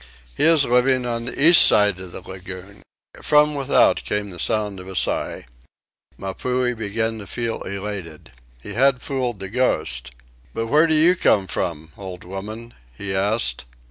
He is living on the east side of the lagoon." From without came the sound of a sigh. Mapuhi began to feel elated. He had fooled the ghost. "But where do you come from, old woman?" he asked.